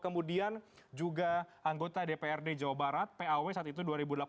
kemudian juga anggota dprd jawa barat paw saat itu dua ribu delapan belas dua ribu sembilan belas